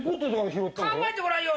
考えてごらんよ！